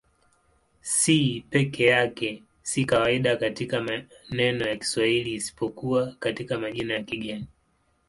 C peke yake si kawaida katika maneno ya Kiswahili isipokuwa katika majina ya kigeni.